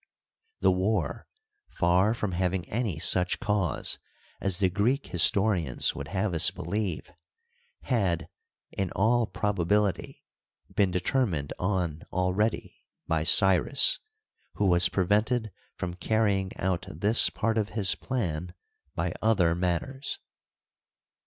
The war, far from having any such cause as the Greek historians would have us believe, had, in all probability, been determined on already by Cyrus, who was prevented from carrying out this part of his plan by other matters.